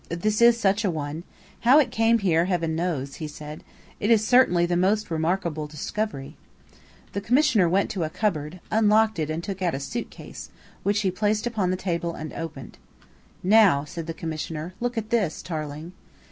"This is such a one. How it came here, heaven knows," he said. "It is certainly the most remarkable discovery." The Commissioner went to a cupboard, unlocked it and took out a suit case, which he placed upon the table and opened. "Now," said the Commissioner, "look at this, Tarling."